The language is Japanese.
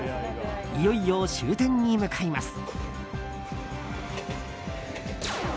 いよいよ終点に向かいます。